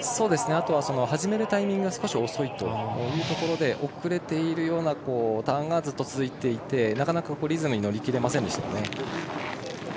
あとは始めるタイミングが少し遅いというところで遅れているようなターンがずっと続いていてなかなかリズムに乗り切れませんでした。